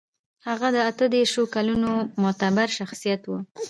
هغه د اتو دېرشو کلونو معتبر شخصيت و.